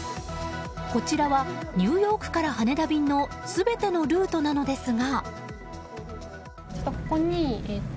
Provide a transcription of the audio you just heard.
こちらはニューヨークから羽田便の全てのルートなのですが。